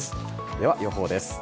では予報です。